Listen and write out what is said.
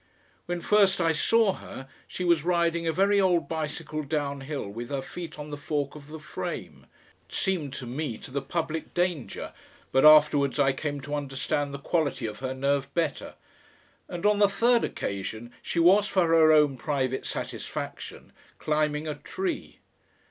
When first I saw her she was riding a very old bicycle downhill with her feet on the fork of the frame it seemed to me to the public danger, but afterwards I came to understand the quality of her nerve better and on the third occasion she was for her own private satisfaction climbing a tree.